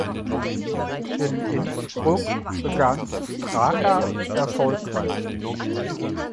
In Innsbruck begann Straka erfolgreich.